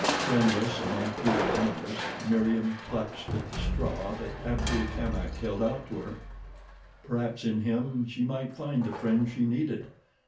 Friendless among cruel enemies, Meriem clutched at the straw that Abdul Kamak held out to her. Perhaps in him she might find the friend she needed.